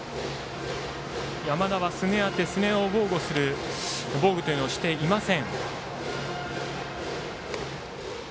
山田はすね当て、すねを防護する防具をしていません。